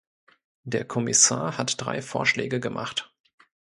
Der Kommissar hat drei Vorschläge gemacht.